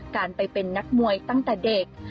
การไปเป็นนักมวยตั้งแต่เด็ก